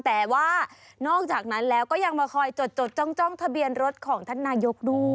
แต่ว่านอกจากนั้นแล้วก็ยังมาคอยจดจ้องทะเบียนรถของท่านนายกด้วย